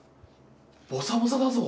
ボサボサだぞ！